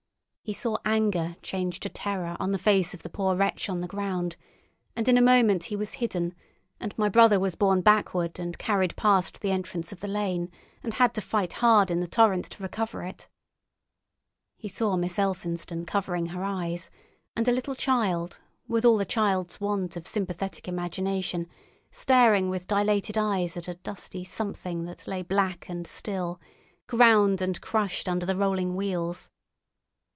He saw anger change to terror on the face of the poor wretch on the ground, and in a moment he was hidden and my brother was borne backward and carried past the entrance of the lane, and had to fight hard in the torrent to recover it. He saw Miss Elphinstone covering her eyes, and a little child, with all a child's want of sympathetic imagination, staring with dilated eyes at a dusty something that lay black and still, ground and crushed under the rolling wheels.